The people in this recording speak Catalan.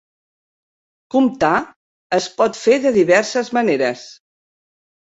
Comptar es pot fer de diverses maneres.